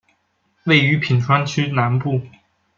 位于品川区南部。